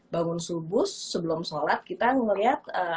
bangun subuh sebelum sholat kita ngeliat